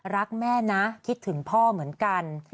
รักแม่นะคิดถึงพ่อเหมือนกัน